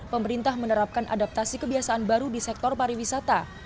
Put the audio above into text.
pemerintah menerapkan adaptasi kebiasaan baru di sektor pariwisata